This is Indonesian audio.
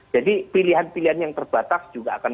jadi pilihan pilihan yang terbatas juga akan